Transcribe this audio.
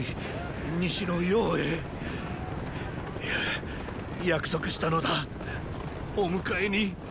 や約束したのだお迎えに。